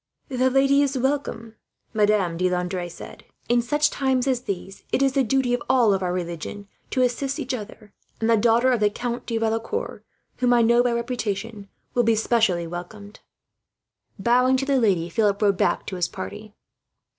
"The lady is welcome," Madame de Landres said. "In such times as these, it is the duty of all of our religion to assist each other; and the daughter of the Count de Valecourt, whom I know by reputation, will be specially welcomed." Bowing to the lady, Philip rode back to his party.